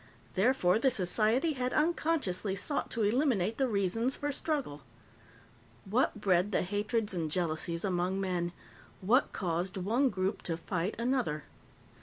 Therefore, the society had unconsciously sought to eliminate the reasons for struggle. What bred the hatreds and jealousies among men? What caused one group to fight another?